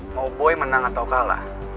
mau boy menang atau kalah